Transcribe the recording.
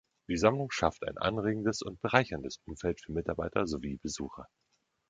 Die Sammlung schafft ein anregendes und bereicherndes Umfeld für Mitarbeiter sowie Besucher.